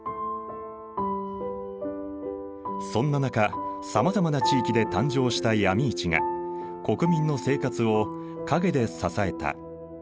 そんな中さまざまな地域で誕生した闇市が国民の生活を陰で支えた。